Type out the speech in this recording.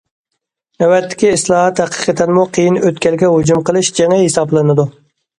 نۆۋەتتىكى ئىسلاھات ھەقىقەتەنمۇ قىيىن ئۆتكەلگە ھۇجۇم قىلىش جېڭى ھېسابلىنىدۇ.